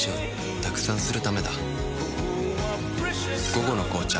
「午後の紅茶」